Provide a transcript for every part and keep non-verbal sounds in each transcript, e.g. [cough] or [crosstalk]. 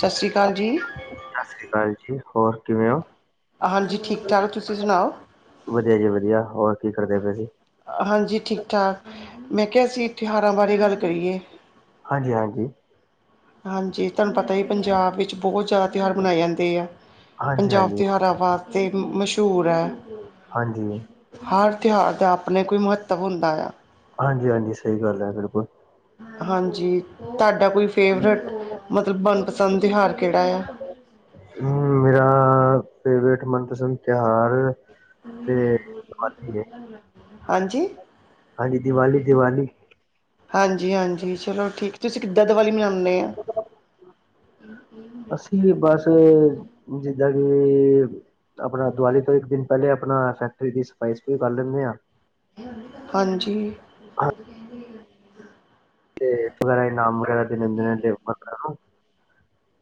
ਸ਼ਸ਼ ਰੀ ਕਾਲ ਜੀ। ਸਸ ਰੀ ਕਾਲ ਜੀ। ਹੋਰ ਕਿਵੇਂ ਓ? ਹਾਂਜੀ ਠੀਕ ਠਾਕ ਤੁਸੀਂ [unintelligible] ਸੁਣਾਓ? ਵਧੀਆ ਜੀ ਵਧੀਆ, ਹੋਰ ਕੀ ਕਰਦੇ ਪਏ ਸੀ? ਹਾਂਜੀ ਠੀਕ-ਠਾਕ, ਮੈਂ ਕਿਹਾ ਅਸੀਂ ਤਿਉਹਾਰਾਂ ਬਾਰੇ ਗੱਲ ਕਰੀਏ। ਹਾਂਜੀ-ਹਾਂਜੀ। ਹਾਂਜੀ, ਤਾਨੂੰ ਪਤਾ ਈ ਪੰਜਾਬ ਵਿੱਚ ਬਹੁਤ ਜ਼ਿਆਦਾ ਤਿਉਹਾਰ ਮਨਾਏ ਜਾਂਦੇ ਐ। ਪੰਜਾਬ ਹਾਂਜੀ-ਹਾਂਜੀ, ਤਿਉਹਾਰਾਂ ਵਾਸਤੇ ਵੀ ਮਸ਼ਹੂਰ ਐ। ਹਾਂਜੀ। ਹਰ ਤਿਉਹਾਰ ਦਾ ਆਪਣੇ ਕੋਈ ਮਹੱਤਵ ਹੁੰਦਾ ਆ। ਹਾਂਜੀ-ਹਾਂਜੀ ਸਹੀ ਗੱਲ ਐ, ਬਿਲਕੁਲ। ਹਾਂਜੀ ਤੁਹਾਡਾ ਕੋਈ ਫੇਵਰਟ, ਮਤਲਬ ਮਨਪਸੰਦ ਤਿਉਹਾਰ ਕਿਹੜਾ ਆ? ਮੇਰਾ ਫੇਵਰੇਟ ਮਨਪਸੰਦ ਤਿਉਹਾਰ! ਤੇ ਦਿਵਾਲੀ ਏ। ਹਾਂਜੀ? ਦੀਵਾਲੀ-ਦੀਵਾਲੀ ਹਾਂਜੀ-ਹਾਂਜੀ ਚਲੋ ਠੀਕ, ਤੁਸੀਂ ਕਿਦਾ ਦੀਵਾਲੀ ਮਨਾਦੇ ਓ? ਅਸੀਂ ਵੀ ਬਸ ਜਿੱਦਾ ਕਿ ਆਪਣਾ ਦੀਵਾਲੀ ਤੋਂ ਇੱਕ ਦਿਨ ਪਹਿਲੇ, ਆਪਣਾ ਫੈਕਟਰੀ ਦੀ ਸਫ਼ਾਈ-ਸਫੂਈ ਕਰ ਲੈਂਦੇ ਆ। ਹਾਂਜੀ। ਤੇ ਫੇਰ ਇਨਾਮ ਵਗੈਰਾ ਦੇ ਦੇਨੇ ਆ ਵਰਕਰਾ ਨੂੰ,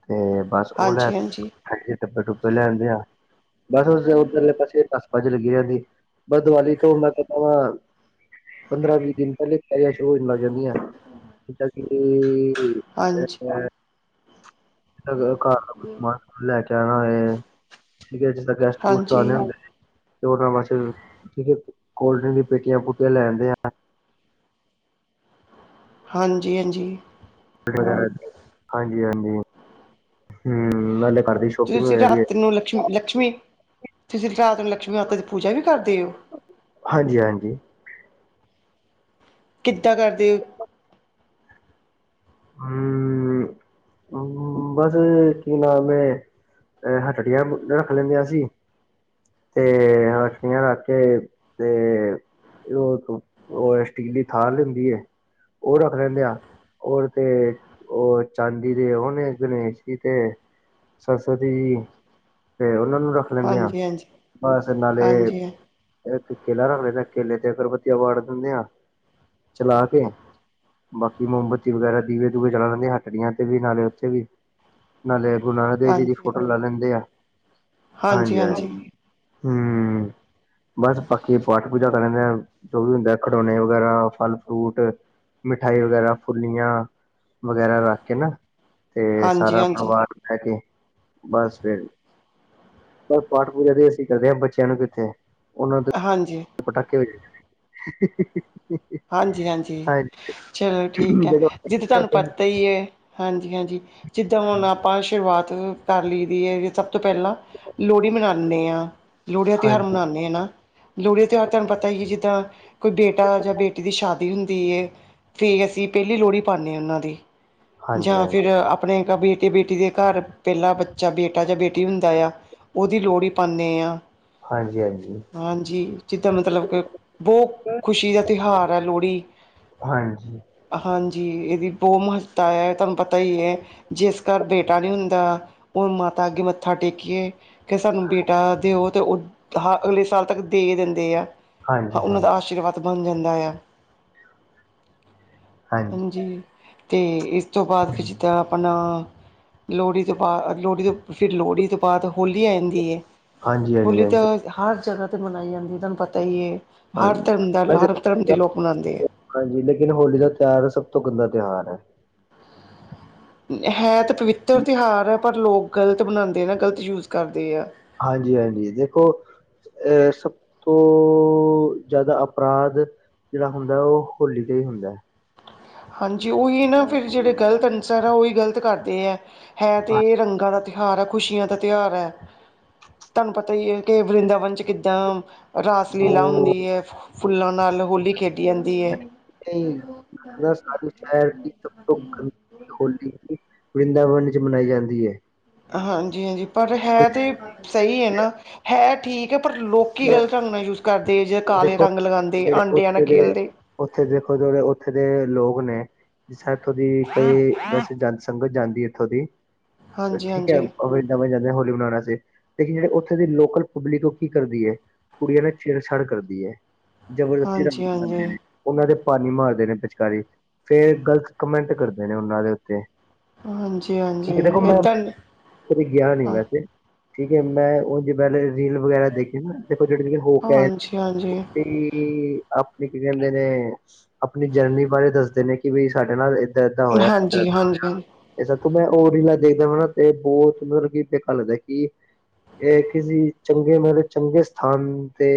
ਤੇ ਬਸ ਉਹ ਲੈ ਆਏ ਹਾਂਜੀ ਹਾਂਜੀ, [unintelligible] ਫੈਕਟਰੀ ਦੇ ਡੱਬੇ-ਡੁਬੇ ਲੈ ਆਦੇ ਆ, ਬਸ ਉਸ ਉਧਰਲੇ ਪਾਸੇ ਨੱਠ- ਭੱਜ ਲੱਗੀ ਰਹਿੰਦੀ, ਬਸ ਦੀਵਾਲੀ ਤੋਂ ਮੈਂ ਪਹਿਲਾਂ, ਪੰਦਰਾਂ-ਵੀਹ ਦਿਨ ਪਹਿਲੇ ਸਾਡੇ ਸੇਲ ਲੱਗਦੀ ਐ, ਜਿੱਦਾਂ ਕਿ ਹਾਂਜੀ ਅ ਜਿੱਦਾ ਕੇ ਘਰ ਦਾ ਕੋਈ ਸਮਾਨ-ਸਮੁਨ ਲੈ ਕੇ ਆਣਾ ਹੋਏ, ਠੀਕ ਐ ਜਿੱਦਾਂ ਗੈਸਟ-ਗੁਸਟ ਆਣੇ ਹਾਂਜੀ। ਹੁੰਦੇ ਓ ਤਾ ਵੈਸੇ ਈ, ਕੋਲਡ-ਡਰਿੰਕ ਦੀ ਪੇਟੀਆਂ-ਪੂਟੀਆਂ ਲੈ ਆਦੇ ਆ। ਹਾਂਜੀ-ਹਾਂਜੀ। [unintelligible] ਹਾਂਜੀ-ਹਾਂਜੀ, ਹੂੰ ਨਾਲੇ ਘਰ ਦੀ ਸ਼ੋਪਿੰਗ ਹੋ ਤੁਸੀਂ ਤਾ ਜਾਂਦੀ ਹੈ ਤ੍ਰੀ ਲਕਸ਼ਮੀ- ਲਕਸ਼ਮੀ ਤੁਸੀਂ ਰਾਤ ਨੂੰ ਲਕਸ਼ਮੀ ਮਾਤਾ ਦੀ ਪੂਜਾ ਵੀ ਕਰਦੇ ਓ? ਹਾਂਜੀ-ਹਾਂਜੀ। ਕਿੱਦਾਂ ਕਰਦੇ? ਹੂੰ ਹੂੰ, ਬਸ ਕੀ ਨਾਮ ਐ, ਏ ਹੱਟੜਿਆ ਰੱਖ ਲੈਂਦੇ ਆ ਅਸੀ। ਤੇ ਹੱਟੜੀਆਂ ਰੱਖ ਕੇ, ਤੇ ਉਹ ਇ-ਉਹ ਸਟੀਲੀ ਥਾਲ ਹੁੰਦੀ ਏ। ਉਹ ਰੱਖ ਲੈਂਦੇ ਆ, ਉਰ ਤੇ ਉਹ ਚਾਂਦੀ ਦੇ ਓ ਫੇਰ ਗਣੇਸ਼ ਜੀ ਤੇ, ਸਰਸਵਤੀ ਜੀ, ਤੇ ਉਨਾਂ ਨੂੰ ਰੱਖ ਲੈਂਦੇ ਆਂ, ਹਾਂਜੀ ਹਾਂਜੀ ਬਸ ਨਾਲੇ ਹਾਂਜੀ ਫੇਰ ਇਕ ਕੇਲਾ ਰੱਖ ਲੈਂਦਾ ਆ, ਕੇਲੇ ਤੇ ਅਗਰਬਤੀ ਵਾੜ ਦਿੰਦੇ ਆ ਚਲਾ ਕੇ, ਬਾਕੀ ਮੋਮਬੱਤੀ ਵਗੈਰਾ ਦੀਵੇ-ਦੂਵੇ ਚਲਾ ਲਈਦੇ ਹੱਟੀਆਂ ਤੇ ਵੀ ਨਾਲੇ [inaudible] ਨਾਲੇ ਗੁਰੂ ਨਾਨਕ ਦੇਵ ਜੀ ਦੀ ਹਾਂਜੀ ਫੋਟੋ ਲਾ ਲੈਂਦੇ ਐ। ਹਾਂਜੀ ਹਾਜੀ। ਹੂੰ ਬਸ ਬਾਕੀ ਪਾਠ-ਪੂਜਾ ਕਰਨ ਦੇ, ਜੋ ਵੀ ਹੁੰਦਾ ਖਡੋਣੇ ਵਗੈਰਾ ਫਲ- ਫੂਟ ਮਿਠਾਈ ਵਗੈਰਾ ਫੁਲੀਆਂ, ਵਗੈਰਾ ਰੱਖ ਕੇ ਨਾ ਤੇ ਹਾਂਜੀ ਸਾਰਾ ਹਾਂਜੀ ਪਰਿਵਾਰ ਲੈ ਕੇ, ਬਸ ਫੇਰ ਤੇ ਪਾਠ- ਪੂਜਾ ਵੀ ਅਸੀਂ ਕਰਦੇ ਹਾਂ ਬੱਚਿਆਂ ਨੂੰ ਕਿੱਥੇ, ਉਨਾ ਤੇ ਹਾਂਜੀ। ਪਟਾਕੇੇ ਹਾਂਜੀ, ਹਾਂਜੀ ਚਲੋ ਠੀਕ ਹਾਂਜੀ ਏ, ਜਦੋਂ ਜਿੱਦਾਂ ਤੁਹਾਨੂੰ ਹਾਂਜੀ ਪਤਾ ਈਏ। ਹਾਂਜੀ, ਹਾਂਜੀ ਜਿੱਦਾਂ ਹੁਨ ਆਪਾਂ ਸ਼ੁਰੂਆਤ ਕਰ ਲਈ ਦੀ ਏ, ਸਭ ਤੋਂ ਪਹਿਲਾਂ ਲੋਹੜੀ ਮਨਾਉਂਦੇ ਆ, ਲੋਹੜੀ ਦਾ ਤਿਉਹਾਰ ਹਾਂਜੀ ਮਨਾਉਂਦੇ ਆ ਨਾ ਲੋਹੜੀ ਦਾ ਤਿਉਹਾਰ ਤੁਹਾਨੂੰ ਪਤਾ ਈ ਐ, ਜਿੱਦਾਂ ਕੋਈ ਬੇਟਾ ਜਾਂ ਬੇ ਦੀ ਸ਼ਾਦੀ ਹੁੰਦੀ ਏ, ਫੇ ਅਸੀਂ ਪਹਿਲੀ ਲੋਹੜੀ ਪਾਉਂਦੇ ਆ ਉਨਾਂ ਦੇ ਹਾਂਜੀ ਜਾਂ ਫੇਰ ਆਪਨੇ ਬੇਟੀ ਬੇਟੀ ਦੇ ਘਰ ਪਹਿਲਾ ਬੱਚਾ ਬੇਟਾ ਜਾਂ ਬੇਟੀ ਹੁੰਦਾ ਆ ਉਹਦੀ ਲੋਹੜੀ ਪਾਉਂਦੇ ਆਂ। ਹਾਂਜੀ ਹਾਂਜੀ ਹਾਂਜੀ, ਜਿੱਦਾਂ ਮਤਲਬ ਕਿ ਬਹੁਤ ਖੁਸ਼ੀ ਦਾ ਤਿਉਹਾਰ ਲੋਹੜੀ, ਹਾਂਜੀ ਹਾਂਜੀ ਇਹਦੀ ਬਹੁਤ ਮਹ ਤਾ ਤੁਹਾਨੂੰ ਪਤਾ ਈਏ, ਜਿਸ ਘਰ ਬੇਟਾ ਨੀ ਹੁੰਦਾ ਓ ਮਾਤਾ ਅੱਗੇ ਮੱਥਾ ਟੇਕੀਏ, ਕੇ ਸਾਨੂੰ ਬੇਟਾ ਦਿਓ ਤੇ ਓ ਅਗਲੇ ਸਾਲ ਤੱਕ ਦੇ ਦਿੰਦੇ ਆ, ਹਾਂਜੀ ਹਾਂਜੀ ਉਨਾਂ ਦਾ ਆਸ਼ੀਰਵਾਦ ਬਨ ਜਾਂਦਾ ਆ ਹਾਂਜੀ, ਤੇ ਇਸ ਤੋਂ ਬਾਅਦ ਫੇ ਜਿੱਦਾਂ ਆਪਨਾ ਲੋਹੜੀ ਤੋਂ ਬਾਅਦ ਲੋਹੜੀ ਤੋਂ ਫੇਰ ਲੋਹੜੀ ਤੋਂ ਬਾਅਦ ਹੋਲੀ ਆ ਜਾਂਦੀ ਏ, ਹੋਲੀ ਹਾਂਜੀ ਹਾਂਜੀ ਤਾਂ ਤੇ ਹਰ ਜਗਾ ਤੇ ਮਨਾਈ ਜਾਂਦੀ, ਤੁਹਾਨੂੰ ਪਤਾ ਈ ਏ ਹਾਂਜੀ ਮਨਾਉਂਦੇ ਹੈ [unintelligible] ਹਾਂਜੀ, ਲੇਕਿਨ ਹੋਲੀ ਦਾ ਤਿਉਹਾਰ ਸਭ ਤੋਂ ਗੰਦਾ ਤਿਉਹਾਰ ਐ ਹੈ ਤਾਂ ਪਵਿੱਤਰ ਤਿਉਹਾਰ ਏ ਪਰ ਲੋਕ ਗ਼ਲਤ ਮਨਾਉਂਦੇ, ਨਾ ਗ਼ਲਤ ਯੂਜ ਕਰਦੇ ਆ ਹਾਂਜੀ, ਹਾਂਜੀ ਦੇਖੋ ਅਹ ਸਭ ਤੋਂ ਜਿਦਾ ਅਪਰਾਧ ਜਿਹੜਾ ਹੁੰਦੇ, ਓ ਹੋਲੀ ਤੇ ਹੀ ਹੁੰਦੇ। ਹਾਂਜੀ, ਉਹੀ ਨਾ ਫੇਰ ਜਿਹੜੇ ਗ਼ਲਤ ਅਨਸਰ ਆ ਉਹੀ ਗ਼ਲਤ ਕਰਦੇ ਐ ਹੈ ਤੇ ਰੰਗਾਂ ਦਾ ਤਿਉਹਾਰ ਏ ਖੁਸ਼ੀਆਂ ਦਾ ਤਿਉਹਾਰ ਏ, ਤੁਹਾਨੂੰ ਪਤਾ ਈ ਏ ਕਿ ਵਰਿੰਦਾਵਨ ਚ ਕਿੱਦਾਂ ਰਾਸ ਲੀਲਾ ਉਹ ਹੁੰਦੀ ਏ, ਫੁੱਲਾਂ ਨਾਲ ਹੋਲੀ ਖੇਡ [inaudible] ਹੋਲੀ ਵਰਿੰਦਾਵਨ ਵਿੱਚ ਮਨਾਈ ਜਾਂਦੀ ਏ ਹਾਂਜੀ, ਹਾਂਜੀ ਪਰ ਹੈ, ਤੇ ਸਹੀ ਐਨਾ ਹੈ ਠੀਕ ਠੀਕ ਏ, ਪਰ ਲੋਕ ਗਲਤ ਟਾਗ ਨਾਲ ਯੂਜ ਕਰਦੇ ਜਿ ਕਾਲੇ ਦੇਖੋ ਰੰਗ ਲਗਾਉਂਦੇ ਜਿਹੜੇ ਆਂਡਿਆਂ ਨਾਲ ਉੱਥੇ ਦੇ ਖੇਲਦੇ ਉੱਥੇ ਦੇਖੋ, ਥੋੜੇ ਉੱਥੇ ਦੇ ਲੋਕ ਨੇ ਜਿਸ ਇੱਥੋਂ ਦੀ ਕਈ ਵੈਸੇ ਜਨ ਸੰਗਤ ਜਾਂਦੀ ਏ ਇੱਥੋਂ ਦੀ, ਹਾਂਜੀ ਠੀਕ ਐ ਹਾਂਜੀ ਨਵੇਂ ਜਾਂਦੇ ਹੋਲੀ ਮਨਾਉਨਾ ਆਸਤੇ, ਲੇਕਿਨ ਜਿਹੜੇ ਉੱਥੇ ਦੇ ਲੋਕਲ ਪਬਲਿਕ ਓ ਕੀ ਕਰਦੀ ਏ ਕੁੜੀਆਂ ਨਾਲ ਛੇੜ-ਛਾੜ ਕਰਦੀ ਏ, ਜਬਰਦਸਤੀ ਰੰਗ ਹਾਂਜੀ ਲਗਾਂਦੇ ਹਾਂਜੀ ਨੇ। ਉਨਾਂ ਦੇ ਪਾਨੀ ਮਾਰਦੇ ਨੇ ਪਿਚਕਾਰੀ, ਫੇਰ ਗ਼ਲਤ ਕਮੈਂਟ ਕਰਦੇ ਨੇ ਉਨਾਂ ਦੇ ਉੱਤੇ ਹਾਂਜੀ ਠੀਕ ਏ ਹਾਂਜੀ ਦੇਖੋ, ਮੈਂ ਏਦਾਂ ਕਦੀ ਗਿਆ ਨੀ ਹਾਂ ਵੈਸੇ ਠੀਕ ਏ, ਮੈਂ ਓ ਵੇਲ ਰੀਲ ਵਗੈਰਾ ਦੇਖੀ ਨਾ ਜੀ ਹਾਂਜੀ, ਹਾਂਜੀ। ਆਪਨੀ ਕੀ ਕਹਿੰਦੇ ਨੇ ਆਪਨੀ ਜਰਨੀ ਬਾਰੇ ਦੱਸਦੇ ਨੇ, ਕਿ ਬਈ ਸਾਡੇ ਨਾਲ ਏਦਾ-ਏਦਾ ਹੋਇਆ, ਏਦਾਂ-ਏਦਾ ਹਾਂਜੀ-ਹਾਂਜੀ, ਹੋਇਆ। ਏਹ ਦੇਖੋ ਮੈਂ ਓ ਰੀਲਾ ਦੇਖਦਾ ਵਾ ਨਾ, ਤੇ ਬਹੁਤ ਮਤਲਬ ਕਿ ਦੇਖ ਲੱਗਦਾ ਕਿ ਏਹ ਕਿਸੀ ਚੰਗੇ ਮਤਲਬ ਚੰਗੇ ਸਥਾਨ ਤੇ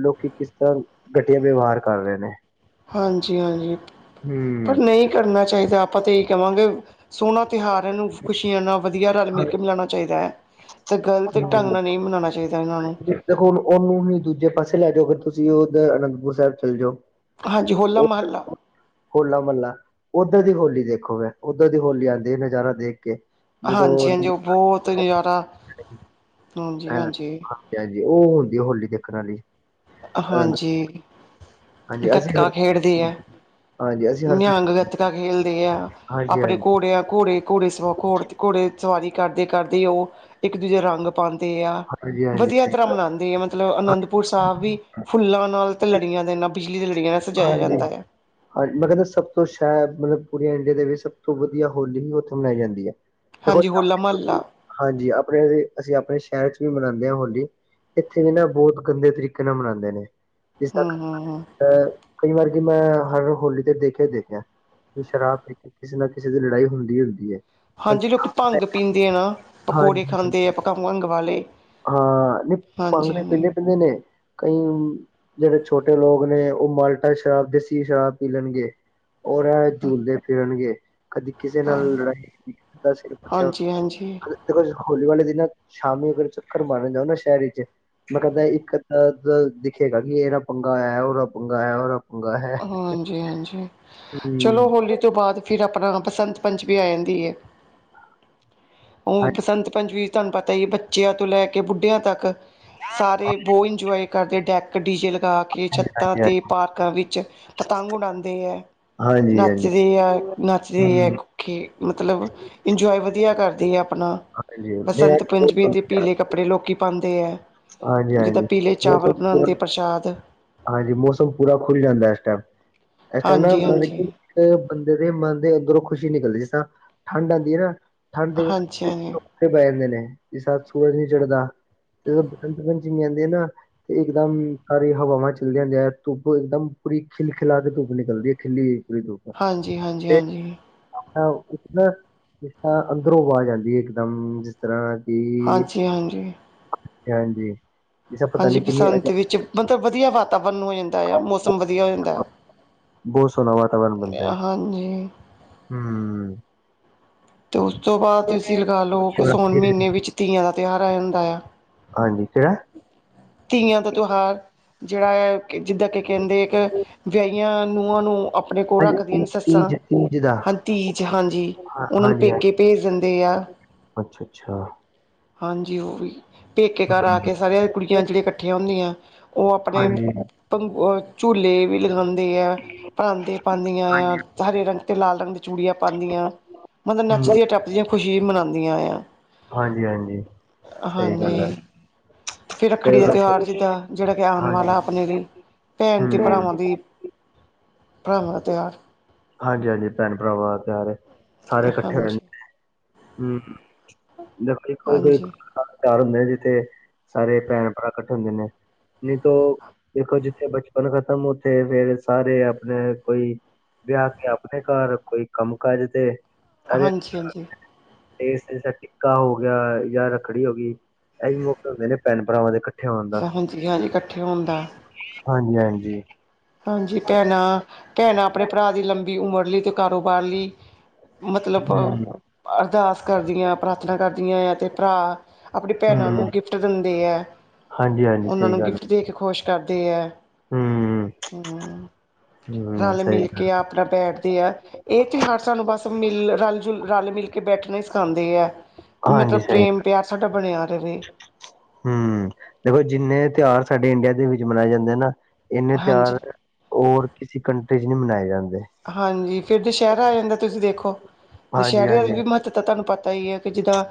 ਲੋਕੀ ਕਿਸ ਤਰ੍ਹਾਂ ਘਟੀਆ ਵੇਵਾਹਰ ਕਰ ਰਹੇ ਨੇ। ਹਾਂਜੀ, ਹਾਂਜੀ ਪਰ ਹੂੰ ਨਹੀਂ ਕਰਨਾ ਚਾਹੀਦਾ ਆਪਾਂ ਤਾਂ ਏ ਕਹਵਾਂਗੇ, ਸੋਹਣਾ ਤਿਉਹਾਰ ਇਹਨੂੰ ਖੁਸ਼ੀਆਂ ਨਾਲ ਵਧੀਆ ਰਲ ਮਿਲ ਕੇ ਮਿਲਾਣਾ ਚਾਹੀਦਾ ਐ, ਤੇ ਗ਼ਲਤ ਹੂੰ। ਢੰਗ ਨਾਲ ਨਹੀਂ ਮਨਾਣਾ ਚਾਹੀਦਾ ਇਹਨਾਂ ਨੂੰ। ਦੇਖੋ ਹੁਣ ਉਹਨੂੰ ਹੀ ਦੂਜੇ ਪਾਸੇ ਲੈ ਜਾਓ, ਅਗਰ ਤੁਸੀਂ ਉਧਰ ਅਨੰਦਪੁਰ ਸਾਹਿਬ ਚੱਲ ਜੋ ਹਾਂਜੀ, ਹੋਲਾ-ਮਹੱਲਾ। ਹੋਲਾ ਮਹੱਲਾ ਉੱਧਰ ਦੀ ਹੋਲੀ ਦੇਖੋਗੇ, ਉੱਧਰ ਦੀ ਹੋਲੀ ਆਂਦੀ ਨਜ਼ਾਰਾ ਦੇਖ ਕੇ ਜਦੋਂ ਹਾਂਜੀ-ਹਾਂਜੀ ਉਹ ਬਹੁਤ ਨਜ਼ਾਰਾ, ਹਾਂਜੀ ਹਾਂਜੀ-ਹਾਂਜੀ। ਹਾਂਜੀ, ਉਹ ਹੁੰਦੀ ਹੋਲੀ ਦੇਖਣ ਆਲੀ। ਹਾਂਜੀ, ਹਾਂਜੀ ਅਸੀਂ ਗੱਤਕਾ ਹਰ ਖੇਡਦੇ ਆ। ਹਾਂਜੀ ਅਸੀਂ ਹਰ ਨਿਹੰਗ ਗੱਤਕਾ ਖੇਲਦੇ ਆ ਹਾਂਜੀ ਆਪਣੇ ਹਾਂਜੀ ਘੋੜੇਆਂ, ਘੋੜੇ ਘੋੜੇ ਸਵ ਘੋੜ ਘੋੜੇ ਸਵਾਰੀ ਕਰਦੇ, ਕਰਦੇ ਉਹ ਇੱਕ ਦੂਜੇ ਰੰਗ ਪਾੰਦੇ ਆ, ਹਾਂਜੀ ਵਧੀਆ ਹਾਂਜੀ ਤਰ੍ਹਾਂ ਮਨਾੰਦੇ ਆ ਮਤਲਬ ਅਨੰਦਪੁਰ ਸਾਹਿਬ ਵੀ ਫੁੱਲਾਂ ਨਾਲ ਲੜੀਆਂ ਨੇ ਨਾ ਬਿਜਲੀ ਤੇ ਲੜੀਅ ਹਾਂਜੀ। ਹਾਂਜ ਮੈਂ ਕਹਿੰਦਾ ਸਭ ਤੋਂ ਸ਼ੇਦ ਮਤਲਬ ਪੂਰੀ ਇੰਡੀਆ ਦੇ ਵਿੱਚ ਸਭ ਤੋਂ ਵਧੀਆ ਹੋਲੀ ਹੀ ਔਥੇ ਮਨਾਈ ਜਾਂਦੀ ਐ। ਦੇਖੋ ਹਾਂਜੀ ਹੋਲਾ [inaudible] ਮਹੱਲਾ ਹਾਂਜੀ ਆਪਣੇ ਏ, ਅਸੀਂ ਆਪਣੇ ਸ਼ਹਿਰ ਚ ਵੀ ਮਨਾੰਦੇ ਹਾਂ ਹੋਲੀ ਇੱਥੇ ਵੀ ਨਾ ਬੋਹਤ ਗੰਦੇ ਤਰੀਕੇ ਨਾਲ ਮਨਾੰਦੇ ਨੇ ਜਿਸ ਤ ਹਮ ਹਮ ਹਮ ਅ ਕਈ ਵਾਰ ਕਿ ਮੈਂ ਹਰ ਹੋਲੀ ਤੇ ਦੇਖਿਆ ਹੀ ਦੇਖਿਆ ਕਿ ਸ਼ਰਾਬ ਪੀ ਕੇ ਕਿਸੇ ਨਾ ਕਿਸੇ ਦੀ ਲੜਾਈ ਹੁੰਦੀ ਈ ਹੁੰਦੀ ਏ। ਹਾਂਜੀ ਲੋਕ ਭੰਗ ਪੀਂਦੇ ਆ ਨਾ ਪਕੌੜੇ ਹਾਂਜੀ ਖਾਂਦੇ ਆ ਪਕਾ ਭੰਗ ਵਾਲੇ। ਹਾਂ ਨਹੀਂ ਭਾਂਗ ਹਾਂਜੀ ਤੇ ਹਾਂਜੀ ਪੀੰਦੇ, ਪੀੰਦੇ ਨੇ ਕਈ ਜਿਹੜੇ ਛੋਟੇ ਲੋਕ ਨੇ ਔਹ ਮਾਲਟਾ ਸ਼ਰਾਬ, ਦੇਸੀ ਸ਼ਰਾਬ ਪੀ ਲੈਣਗੇ। ਔਰ ਏਹ ਝੂਲਦੇ ਫਿਰਨਗੇ। ਕਦੀ ਕਿਸੇ ਹਾਂ ਨਾਲ ਲੜਾਈ ਕਦੀ ਕਿਸੇ ਦਾ ਸਿਰ ਫਟਯਾ ਹੂੰ ਹਾਂਜੀ ਹਾਂਜੀ ਦੇਖੋ ਹੋਲੀ ਵਾਲੇ ਦਿਨਾਂ ਸ਼ਾਮੀ ਫੇਰ ਚੱਕਰ ਮਾਰਨ ਜਾਓ ਨਾ ਸ਼ਹਿਰ ਇਚ ਮੈਂ ਕੈੰਦਾ ਇੱਕ, ਅੱਦਾ ਤਾਂ ਦਿਖੇਗਾ ਕਿ ਇਹਦਾ ਪੰਗਾ ਹੋਇਆ, ਉਹਦਾ ਪੰਗਾ ਹੋਇਆ, ਔਰ ਹਾਂਜੀ, ਹਾਂਜੀ ਹੂੰ ਚਲੋ ਹੋਲੀ ਤੋਂ ਬਾਅਦ ਫਿਰ ਅਪਣਾ ਬਸੰਤ ਪੰਚਮੀ ਆ ਜਾਂਦੀ ਐ, ਔਹ ਬਸੰਤ ਪੰਚਮੀ ਤੁਹਾਨੂੰ ਪਤਾ ਈ ਐ ਬੱਚਿਆਂ ਤੋਂ ਲੈ ਕੇ, ਬੁੱਢਿਆਂ ਤੱਕ ਸਾਰੇ ਬੋ ਇੰਜਵਾਏ ਕਰਦੇ ਡੈਕ, ਡੀਜੇ ਲਗਾ ਕੇ ਛੱਤਾਂ ਹਾਂਜੀ ਤੇ, ਪਾਰਕਾਂ ਵਿੱਚ ਪਤੰਗ ਉਡਾੰਦੇ ਐ। ਹਾਂਜੀ ਹਾਂਜੀ ਨੱਚਦੇ ਐ, ਨੱਚਦੇ ਐ ਹਮ, ਕੇ ਮਤਲਬ ਇੰਜਵਾਏ ਵਧੀਆ ਕਰਦੀ ਐ ਆਪਣਾ, ਹਾਂਜੀ ਨਹੀਂ ਬਸੰਤ ਅੱਜ ਪੰਚਮੀ ਮੌਸਮ ਤੇ ਪੀਲੇ ਕੱਪੜੇ ਲੋਕੀ ਪਾੰਦੇ ਐ, ਹਾਂਜੀ ਜਿੱਦਾਂ ਹਾਂਜੀ ਪੀਲੇ ਚਾਵਲ ਮੌਸਮ ਬਣਾੰਦੇ ਪੂਰਾ ਪ੍ਰਸ਼ਾਦ ਹਾਂਜੀ, ਮੌਸਮ ਪੂਰਾ ਖੁੱਲ ਜਾਂਦਾ ਇਸ ਟਾਈਮ, ਇਸ ਟੈਮ ਨਾ ਹਾਂਜੀ ਮਤਲਬ ਹਾਂਜੀ ਕਿ ਔ ਬੰਦੇ ਦੇ ਮਨ ਦੇ ਅੰਦਰੋਂ ਖੁਸ਼ੀ ਨਿਕਲਦੀ ਜਿਸ ਤਰਾ ਠੰਡ ਆੰਦੀ ਏ ਨਾ ਠੰਡ ਹਾਂਜੀ ਹਾਂਜੀ [inaudible] ਤੇ ਬੈ ਜਾਂਦੇ ਨੇ ਜਿਸ ਤਰਾੰ ਸੂਰਜ ਨਹੀਂ ਚੜਦਾ ਜਦੋਂ ਬਸੰਤ ਪੰੰਚਮੀ ਆੰਦੇ ਏ ਨਾ ਤੇ ਇਕਦਮ ਸਾਰੇ ਹਵਾਵਾਂ ਚੱਲਦੀਯ ਜਾ ਧੁੱਪ ਇੱਕਦਮ ਪੂਰੀ ਖਿਲ ਖਿਲਾ ਕੇ ਧੁੱਪ ਨਿਕਲਦੀ ਐ ਖਿਲੀ ਹੋਈ ਪੂਰੀ ਧੁੱਪ। ਹਾਂਜੀ, ਹਾਂਜੀ, ਹਾਂਜੀ। ਔ ਇਕ ਨਾ ਜਿਸ ਤਰਾਂ ਅੰਦਰੋਂ ਅਵਾਜ ਆੰਦੀ ਐ ਇਕਦਮ ਜਿਸ ਇਸ ਤਰ੍ਹਾਂ ਕਿ, ਹਾਂਜੀ ਹਾਂਜੀ ਹਾਂਜੀ, ਹਾੰਜੀ। ਹਾਂਜੀ, ਬਸੰਤ ਵਿੱਚ ਮਤਲਬ ਵਧੀਆ ਵਾਤਾਵਰਨ ਹੋ ਜਾਂਦਾ ਯਾ ਮੌਸਮ ਵਧੀਆ ਹੋ ਜਾਂ ਦੈ। ਬੋ ਸੋਨਾ ਵਾਤਾਵਰਨ ਬਣਦੈ, ਹਾਂਜੀ ਹੂੰ। ਤੇ ਔਸ ਤੋਂ ਬਾਅਦ ਤੁਸੀਂ ਲਗਾ ਲੋ ਥੋੜਾ ਕਸੌਣ ਫਿਰ ਮਹੀਨੇ ਵਿੱਚ ਤੀਆਂ ਦਾ ਤਿਉਹਾਰ ਆ ਜਾੰਦਾ ਆ। ਹਾਂਜੀ, ਕੇਹੜਾ? ਤੀਆਂ ਦਾ ਤਿਉਹਾਰ। ਜਿਹੜਾ ਐ ਕਿ ਜਿੱਦਾਂ ਕਿ ਕਹਿੰਦੇ ਇੱਕ ਵਿਆਹੀਆਂ ਨੂੰਹਾਂ ਨੂੰ ਅ ਓ ਪੂਰਾ ਹਾਂਜੀ ਕਰਦੀਆਂ ਨੇ ਤੀ- ਸੱਸਾਂ! ਤੀਜ ਤੀਜ ਦਾ ਹਾਂ ਤੀਜ, ਹਾਂਜੀ! ਹਾਂ- ਉਹਨਾਂ ਨੂੰ ਹਾਂਜੀ ਹਾਂ ਪੇਕੇ ਭੇਜ ਦਿੰਦੇ ਆ। ਅੱਛਾ ਅੱਛਾ ਹਾਂਜੀ ਉਹ ਵੀ ਪੇਕੇ ਘਰ ਆ ਹੂੰ, ਕੇ ਸਾਰੀਆਂ ਕੁੜੀਆਂ ਜਿਹੜੀਆਂ ਇਕੱਠੀਆਂ ਹੁੰਦੀਆਂ। ਉਹ ਆਪਣੇ ਹਾਂਜੀ ਬ ਓ, ਝੂਲੇ ਵੀ ਲਗਾਉਂਦੇ ਐ। ਪਰਾਂਦੇ ਪਾਉਂਦੀਆਂ ਐ! ਹਰੇ ਰੰਗ ਤੇ ਲਾਲ ਰੰਗ ਦੀ ਚੂੜੀਆਂ ਪਾਉਂਦੀਆਂ। ਮਤਲਬ ਹੂੰ ਨੱਚਦੀ- ਟੱਪਦੀਆਂ ਖੁਸ਼ੀ ਮਨਾਉਂਦੀਆਂ ਆ। ਹਾਂਜੀ ਹਾਂਜੀ, ਸਹੀ ਗੱਲ ਹੈ! ਹਾਂਜੀ ਤੇ ਫਿਰ ਰੱਖੜੀ ਦਾ ਰਸ਼ ਤਿਉਹਾਰ ਹਾਂਜੀ ਜਿੱਦਾਂ, ਜਿਹੜਾ ਕਿ ਆਉਣ ਵਾਲਾ ਹੂੰ ਆਪਣੇ ਲਈ ਭੈਣ ਤੇ ਭਰਾਵਾਂ ਹਾਂਜੀ ਦੀ, ਭਰਾਵਾਂ ਦਾ ਤਿਉਹਾਰ। ਹਾਂਜੀ-ਹਾਂਜੀ, ਭੈਣ ਭਰਾਵਾਂ ਤਿਉਹਾਰ ਏ, ਸਾਰੇ ਇਕੱਠੇ ਰੇਨ ਹਾਂਜੀ ਹਾਂਜੀ ਹਮ, ਦੇਖੋ ਕੋਈ-ਕੋਈ ਹਾਂਜੀ ਘਰ ਹੁੰਦੇ ਜਿੱਥੇ ਸਾਰੇ ਭੈਣ-ਭਰਾ ਇਕੱਠੇ ਹੁੰਦੇ ਨੇ। ਜਿਥੋ ਦੇਖੋ, ਜਿੱਥੇ ਬਚਪਨ ਖ਼ਤਮ, ਉੱਥੇ ਫੇਰ ਸਾਰੇ ਆਪਣੇ ਕੋਈ ਵਿਆਹ ਕੇ ਆਪਣੇ ਘਰ, ਕੋਈ ਕੰਮ ਕਾਜ ਤੇ। ਹਾਂਜੀ ਹਾਂਜੀ। ਇਸ ਤਰ੍ਹਾਂ ਟਿੱਕਾ ਹੋ ਗਿਆ ਜਾਂ ਰੱਖੜੀ ਹੋ ਗਈ, ਇਹੀ ਮੌਕੇ ਹੁੰਦੇ ਨੇ ਭੈਣ-ਭਰਾਵਾਂ ਦੇ, ਇ ਹਾਂਜੀ ਹਾਂਜੀ, ਇਕੱਠੇ ਹੋਣ ਦਾ। ਹਾਂਜੀ ਹਾਂਜੀ! ਹਾਂਜੀ, ਭੈਣਾਂ -ਭੈਣਾਂ ਆਪਣੇ ਭਰਾ ਦੀ ਲੰਬੀ ਉਮਰ ਲਈ ਅਤੇ ਕਾਰੋਬਾਰ ਲਈ, ਮਤਲਬ ਹੂੰ, ਅਰਦਾਸ ਕਰਦੀਆਂ, ਪ੍ਰਾਰਥਨਾ ਕਰਦੀਆਂ ਆ ਅਤੇ ਭਰਾ ਆਪਣੀ ਭੈਣਾਂ ਹੂੰ। ਨੂੰ ਗਿਫਟ ਦਿੰਦੇ ਐ, ਹਾਂਜੀ-ਹਾਂਜੀ ਉਹਨਾਂ ਨੂੰ ਗਿਫਟ ਦੇ ਕੇ ਖੁਸ਼ ਕਰਦੇ ਐ। ਹਮ। ਹਮ, ਰਲਮਿਲ ਕੇ ਆਪ ਆਪਣਾ ਬੈਠਦੇ ਆ, ਇਹ ਤਿਉਹਾਰ ਸਾਨੂੰ ਬਸ ਮਿਲ, ਰਲ, ਜੁਲ, ਰਲ ਮਿਲ ਕੇ ਬੈਠਣਾ ਸਿ ਸਿਖਾਉਂਦੇ ਐ, ਮਤਲਬ ਹਾਂਜੀ ਸਹੀ ਪ੍ਰੇਮ ਪਿਆਰ ਸਾਡਾ ਬਣਿਆ ਰਵੇ। ਹੂੰ, ਦੇਖੋ ਜਿੰਨੇ ਤਿਉਹਾਰ ਸਾਡੇ ਇੰਡੀਆ ਦੇ ਵਿੱਚ ਮਨਾਏ ਜਾਂਦੇ ਨਾ, ਇੰਨੇ ਹਾਂਜੀ ਤਿਉਹਾਰ ਹੋਰ ਕਿਸੇ ਕੰਟਰੀ ਚ ਨਹੀਂ ਮਨਾਏ ਜਾਂਦੇ। ਹਾਂਜੀ, ਫੇਰ ਦੁਸਿਹਰਾ ਆ ਜਾਂਦਾ ਤੁਸੀਂ ਦੇਖੋ। ਹਾਂਜੀ ਦੁਸਹਿਰਿਆਂ ਹਾਂਜੀ ਦਾ ਵੀ ਮਹੱਤਵਤਾ ਤੁਹਾਨੂੰ ਪਤਾ ਹੀ ਹੈ, ਕਿ ਜਿੱਦਾਂ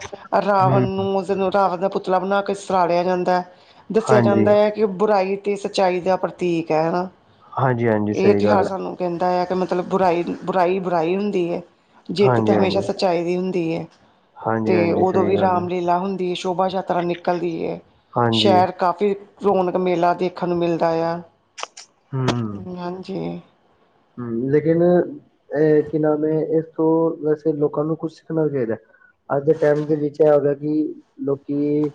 ਰਾਵਣ ਹਮ ਨੂੰ- ਦਿਨ ਨੂੰ ਰਾਵਨ ਦਾ ਪੁਤਲਾ ਬਣਾ ਕੇ ਸਾੜਿਆ ਜਾਂਦਾ ਹੈ, ਦੱਸਿਆ ਹਾਂਜੀ ਜਾਂਦਾ ਹੈ ਕਿ ਬੁਰਾਈ ਤੇ ਸੱਚਾਈ ਦਾ ਪ੍ਰਤੀਕ ਹੈ, ਹਨਾ? ਹਾਂਜੀ ਹਾਂਜੀ ਇਹ ਸਹੀ ਗੱਲ ਤਿਉਹਾਰ ਸਾਨੂੰ ਕਹਿੰਦਾ ਹੈ ਤੇ ਮਤਲਬ ਬੁਰਾਈ-ਬੁਰਾਈ ਬੁਰਾਈ ਹੁੰਦੀ ਹੈ‌, ਹੈ ਜਿੱਤ ਹਾਂਜੀ ਤਾਂ ਹਮੇਸ਼ਾ ਹਾਂਜੀ ਸੱਚਾਈ ਦੀ ਹੁੰਦੀ ਹੈ। ਹਾਂਜੀ ਤੇ ਹਾਂਜੀ ਉਦੋਂ ਸਹੀ ਵੀ ਗੱਲ ਹੈ ਰਾਮ ਲੀਲਾ ਹੁੰਦੀ ਹੈ, ਸ਼ੋਭਾ ਯਾਤਰਾ ਨਿਕਲਦੀ ਹੈ, ਹਾਂਜੀ ਸ਼ਹਿਰ ਕਾਫ਼ੀ ਰੌਣਕ ਮੇਲਾ ਦੇਖਣ ਨੂੰ ਮਿਲਦਾ ਆ, ਹਾਂਜੀ। ਹੂੰ ਲੇਕਿਨ ਇਹ ਕੀ ਨਾਮ ਹੈ, ਇਸ ਤੋਂ ਵੈਸੇ ਲੋਕਾਂ ਨੂੰ ਕੁੱਛ ਸਿੱਖਣਾ ਚਾਹੀਦਾ। ਅੱਜ ਦੇ ਟਾਈਮ ਦੇ ਵਿੱਚ ਇਹ ਹੈਗਾ ਕੀ ਲੋਕੀ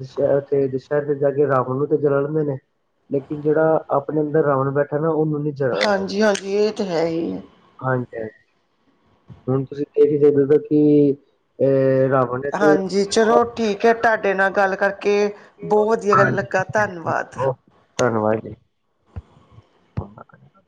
ਦਸ਼ਹਿ-ਦੁਸ਼ਹਿਰੇ ਤੇ ਜਾ ਕੇ ਰਾਵਣ ਨੂੰ ਤੇ ਜਲਾਂਦੇ ਨੇ ਲੇਕਿਨ ਜਿਹੜਾ ਆਪਣੇ ਅੰਦਰ ਰਾਵਣ ਬੈਠਾ ਨਾ ਉਹਨੂੰ ਨੀ ਜਲਾਦੇ। ਹਾਂਜੀ-ਹਾਂਜੀ ਇਹ ਤਾ ਹੈ ਹੀ। ਹਾਂਜੀ ਹਾਂਜੀ, ਹੁਣ ਤੁਸੀਂ ਦੇਖ ਦੇ ਕੀ ਇਹ ਰਾਵ ਹਾਂਜੀ, ਚਲੋ ਠੀਕ ਹੈ, ਤੁਹਾਡੇ ਨਾਲ ਗੱਲ ਕਰਕੇ ਬਹੁਤ ਵਧੀਆ ਹਾਂਜੀ ਲੱਗਾ ਠੀਕ ਹੈ ਜੀ ਧੰਨਵਾਦ। ਓਕੇ ਧੰਨਵਾਦ ਜੀ। ਬਾਏ